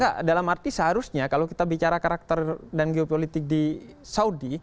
ya dalam arti seharusnya kalau kita bicara karakter dan geopolitik di saudi